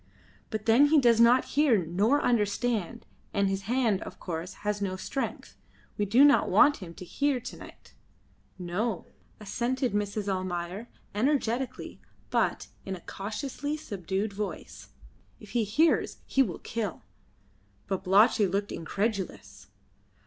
"But then he does not hear, nor understand, and his hand, of course, has no strength. We do not want him to hear to night." "No," assented Mrs. Almayer, energetically, but in a cautiously subdued voice. "If he hears he will kill." Babalatchi looked incredulous.